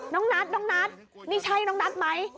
น้องนัทนี่ใช่น้องนัทไหม